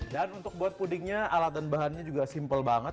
dan untuk buat pudingnya alat dan bahannya juga simple banget